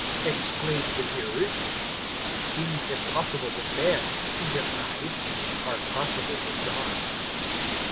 exclaimed the hearers. 018:027 "Things impossible with man," He replied, "are possible with God."